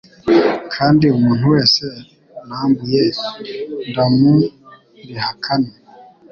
kandi umuntu wese nambuye ndamuriha kane.